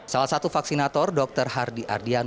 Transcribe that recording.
salah satu vaksinator dr hardi ardian